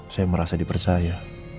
saya merasa dipercaya